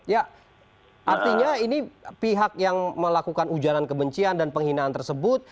ya artinya ini pihak yang melakukan ujaran kebencian dan penghinaan tersebut